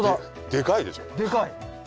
でかい。